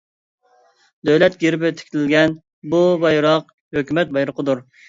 دۆلەت گېربى تىكىلگەن بۇ بايراق ھۆكۈمەت بايرىقىدۇر.